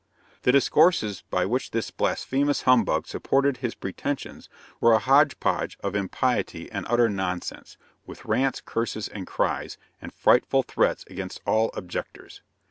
The discourses by which this blasphemous humbug supported his pretensions were a hodge podge of impiety and utter nonsense, with rants, curses and cries, and frightful threats against all objectors.